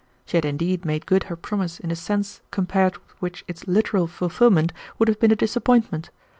She had indeed made good her promise in a sense compared with which its literal fulfillment would have been a disappointment.